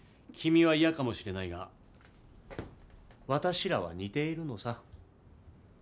君は嫌かもしれないが私らは似ているのさ。